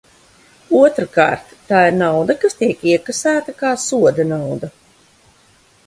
Otrkārt, tā ir nauda, kas tiek iekasēta kā sodanauda.